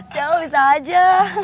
siapa bisa aja